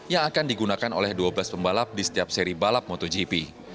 yang akan digunakan oleh dua belas pembalap di setiap seri balap motogp